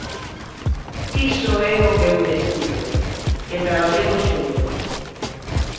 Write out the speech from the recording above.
Iso é o que eu lles pido, que traballemos xuntos.